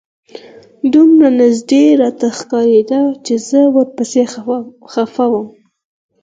دومره نژدې راته ښکارېده چې زه ورپسې خپه وم.